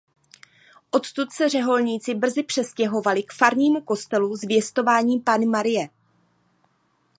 Odtud se řeholníci brzy přestěhovali k farnímu kostelu Zvěstování Panny Marie.